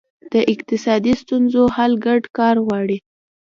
د اقتصادي ستونزو حل ګډ کار غواړي.